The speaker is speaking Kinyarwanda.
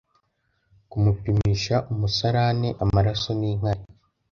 kumupimisha umusarane amaraso n inkari.